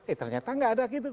eh ternyata nggak ada gitu